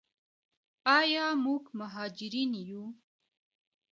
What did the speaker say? آیا موږ مهاجرین یو؟